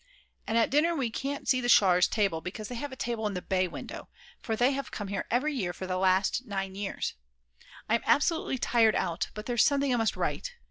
And at dinner we can't see the Scharrers' table because they have a table in the bay window, for they have come here every year for the last 9 years. I'm absolutely tired out, but there's something I must write.